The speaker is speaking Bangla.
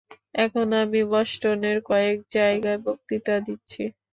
এখন আমি বষ্টনের কয়েক জায়গায় বক্তৃতা দিচ্ছি।